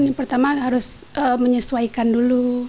yang pertama harus menyesuaikan dulu